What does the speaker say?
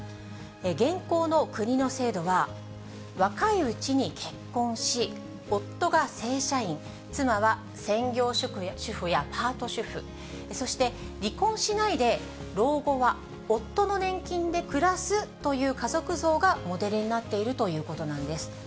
現行の国の制度は、若いうちに結婚し、夫が正社員、妻は専業主婦やパート主婦、そして、離婚しないで老後は夫の年金で暮らすという家族像がモデルになっているということなんです。